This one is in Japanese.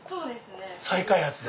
再開発で。